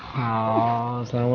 oh selamat sekali lagi sayang